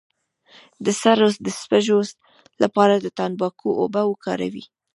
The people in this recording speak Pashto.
د سر د سپږو لپاره د تنباکو اوبه وکاروئ